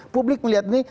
publik melihat ini